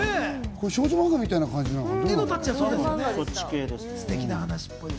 少女マンガみたいな感じなのかな？